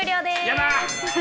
やだ！